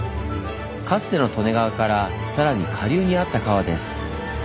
かつての利根川からさらに下流にあった川です。